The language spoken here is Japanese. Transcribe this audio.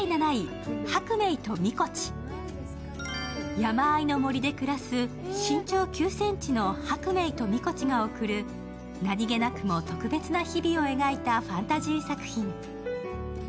山あいの森で暮らす身長９ｃｍのハクメイとミコチが送る何気なくも特別な日々を描いたファンタジー作品。